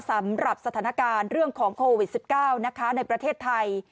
สำหรับสถานการณ์เรื่องของโควิด๑๙นะคะในประเทศไทย